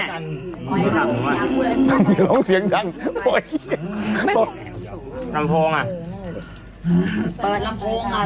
มันอยู่ด้านนี้ไว้แบบว่าเรื่องเสียงดังแล้วแล้วเขาเลยปล่อยอะไรมาทำด้วยไปเถียงเขาอ่ะ